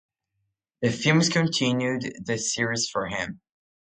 The films continued the series for him.